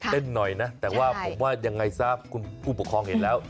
หน่อยนะแต่ว่าผมว่ายังไงซะคุณผู้ปกครองเห็นแล้ว